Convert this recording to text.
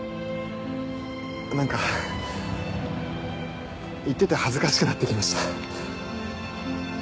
何か言ってて恥ずかしくなってきました。